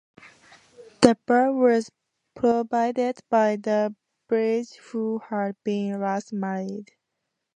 The ball was provided by the bride who had been last married.